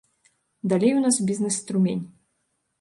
Далей у нас бізнес-струмень.